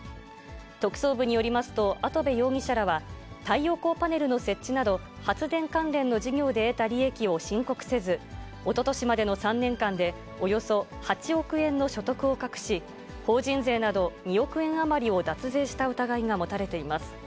特捜部によりますと、跡部容疑者らは、太陽光パネルの設置など、発電関連の事業で得た利益を申告せず、おととしまでの３年間でおよそ８億円の所得を隠し、法人税など、２億円余りを脱税した疑いが持たれています。